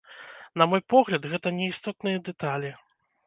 На мой погляд, гэта неістотныя дэталі.